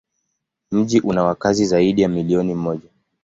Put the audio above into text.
Mji una wakazi zaidi ya milioni moja.